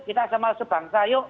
kita sama sebangsa yuk